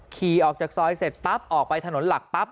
ขี่ออกจากซอยเสร็จปั๊บออกไปถนนหลักปั๊บ